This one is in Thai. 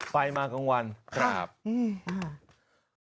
ไปมากลางวันครับอืม